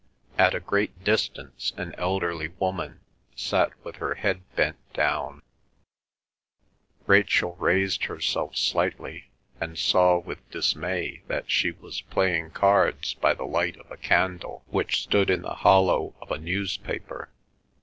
At a great distance an elderly woman sat with her head bent down; Rachel raised herself slightly and saw with dismay that she was playing cards by the light of a candle which stood in the hollow of a newspaper.